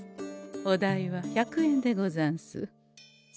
お代は百円でござんす。